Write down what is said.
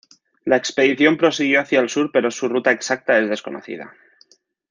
La expedición prosiguió hacia el sur pero su ruta exacta es desconocida.